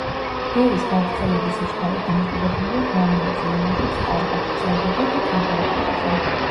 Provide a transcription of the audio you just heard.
ბგერის გავრცელების სიჩქარე დამოკიდებულია გარემოზე, რომელშიც ტალღა ვრცელდება და ტემპერატურაზე.